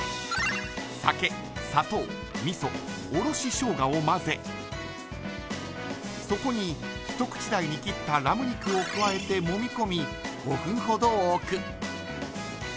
酒、砂糖、みそおろししょうがを混ぜそこに一口大に切ったラム肉を加えて揉み込み５分ほどおく。